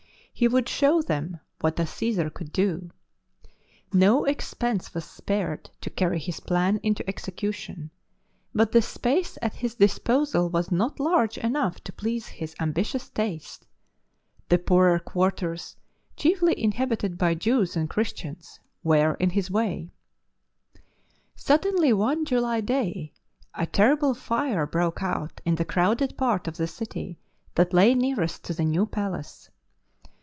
He would show them what a Caesar could do. No expense was spared to carry his plan into execution, but the space at his disposal was not large enough to please his ambitious taste; the poorer quarters, chiefly inhabited by Jews and Christians, were in his way. THE MARTYR'S CROWN 121 Suddenly one July day a terrible fire broke out in the crowded part of the city that lay neax'est to the new palace.